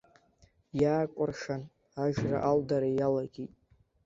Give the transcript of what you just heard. Иаакәыршан ажра алдара иалагеит.